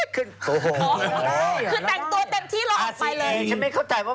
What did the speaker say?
คือแต่งตัวเต็มที่เราออกไปเลย